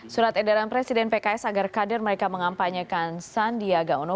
surat edaran presiden pks agar kadir mereka mengampanyakan sandiagaono